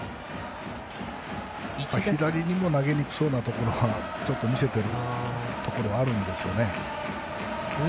左にも投げにくそうなところはちょっと見せているところはあるんですよね。